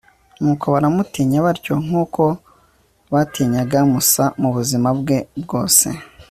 nuko bamutinya batyo nk'uko batinyaga musa mu buzima bwe bwose